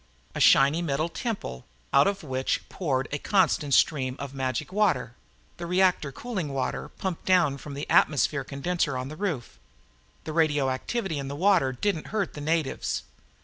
A shiny metal temple out of which poured a constant stream of magic water the reactor cooling water pumped down from the atmosphere condenser on the roof. The radioactivity in the water didn't hurt the natives.